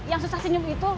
yang susah senyum itu